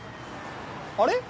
あれ？